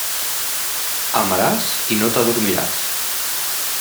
Amaràs i no t'adormiràs.